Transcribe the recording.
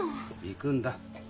行くんだ。